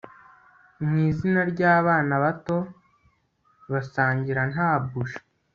Mwizina ryabana bato basangira nta buji